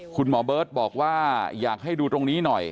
คุณหมอเบิร์ตบอกว่าอยากให้ดูตรงนี้หน่อย